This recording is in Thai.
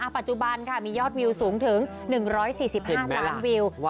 ปัจจุบันมียอดวิวสูงถึง๑๔๕ล้านวิว